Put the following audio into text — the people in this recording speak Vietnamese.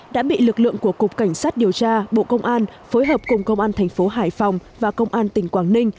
đã bị lực lượng của cục cảnh sát điều tra bộ công an phối hợp cùng công an thành phố hải phòng và công an tỉnh quảng ninh